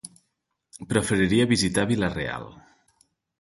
Preferiria visitar Vila-real.